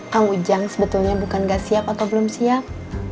kang ujang sebetulnya bukan gak siap atau belum siap